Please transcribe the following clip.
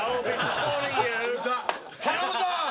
頼むぞ！